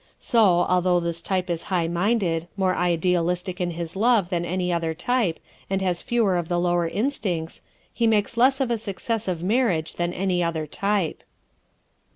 So, although this type is high minded, more idealistic in his love than any other type and has fewer of the lower instincts, he makes less of a success of marriage than any other type.